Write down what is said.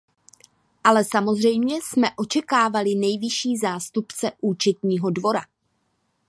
Ale samozřejmě jsme očekávali nejvyšší zástupce Účetního dvora.